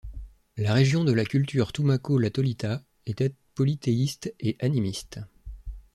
La religion de la culture Tumaco-La Tolita était polythéiste et animiste.